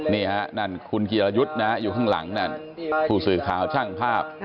นี่ฮะนั่นคุณจิรยุทธ์นะอยู่ข้างหลังนั่นผู้สื่อข่าวช่างภาพ